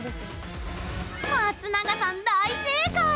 松永さん大正解！